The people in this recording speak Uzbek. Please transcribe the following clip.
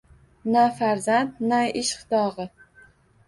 Na farzand, na ishq dog’i.